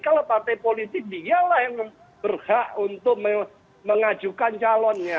kalau partai politik dia lah yang berhak untuk mengajukan calonnya